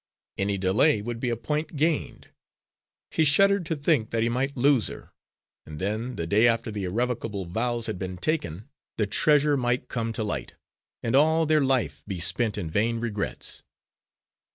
Any delay would be a point gained. He shuddered to think that he might lose her, and then, the day after the irrevocable vows had been taken, the treasure might come to light, and all their life be spent in vain regrets.